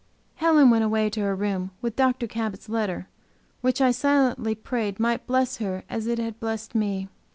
Helen now went away to her room with Dr. Cabot's letter, which I silently prayed might bless her as it had blessed me.